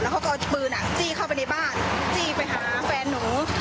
เขาก็เอาปืนจี้เข้าไปในบ้านจี้ไปหาแฟนหนู